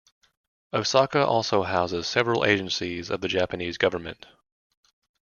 Osaka also houses several agencies of the Japanese Government.